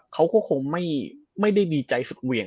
เขาก็คงไม่ได้ดีใจสุดเหวี่ยง